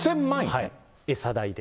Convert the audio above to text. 餌代で。